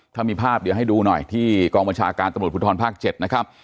ถ้ามีภาพเดี๋ยวให้ดูหน่อยที่กองบัญชาการตำรวจภูทรภาค๗นะครับ